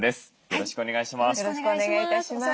よろしくお願いします。